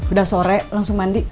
udah sore langsung mandi